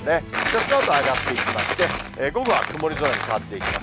そのあと上がっていきまして、午後は曇り空に変わっていきます。